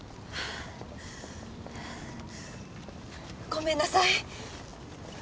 ごめんなさい！